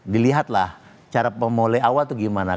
dilihatlah cara pemulai awal itu gimana